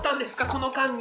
この間に。